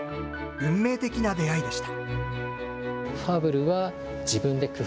運命的な出会いでした。